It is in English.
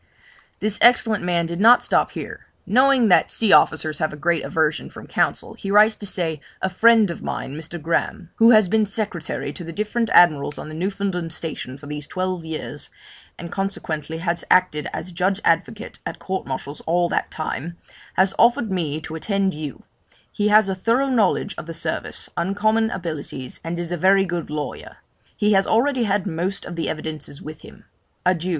This excellent man did not stop here: knowing that sea officers have a great aversion from counsel, he writes to say, 'A friend of mine, Mr. Graham, who has been secretary to the different Admirals on the Newfoundland station for these twelve years, and consequently has acted as judge advocate at courts martial all that time, has offered me to attend you; he has a thorough knowledge of the service, uncommon abilities, and is a very good lawyer. He has already had most of the evidences with him. Adieu!